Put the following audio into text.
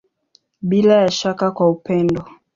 Bila ya shaka kwa upendo.